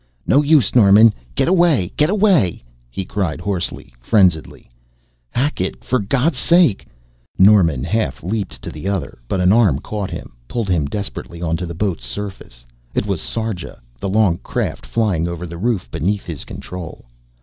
"No use, Norman get away get away!" he cried hoarsely, frenziedly. "Hackett for God's sake !" Norman half leaped to the other, but an arm caught him, pulled him desperately onto the boat's surface. It was Sarja, the long craft flying over the roof beneath his control.